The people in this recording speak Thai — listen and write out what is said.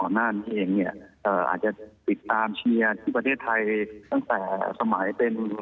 หน้านี้เองเนี่ยอาจจะติดตามเชียร์ที่ประเทศไทยตั้งแต่สมัยเป็น